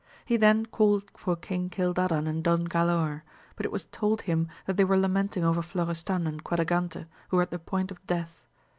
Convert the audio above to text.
He then called for King Cildadan and Don Galaor, but it was told him that they were lamenting over Florestan and Quadragante, who were at the point of death.